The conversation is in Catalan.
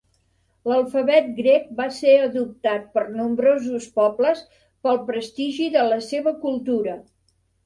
L'alfabet grec va ser adoptat per nombrosos pobles pel prestigi de la seva cultura.